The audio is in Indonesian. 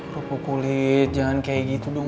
kepu kulit jangan kayak gitu dong